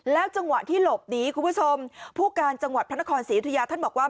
จังหวะที่หลบหนีคุณผู้ชมผู้การจังหวัดพระนครศรียุธยาท่านบอกว่า